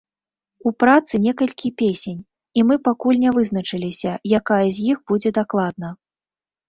У працы некалькі песень, і мы пакуль не вызначыліся, якая з іх будзе дакладна.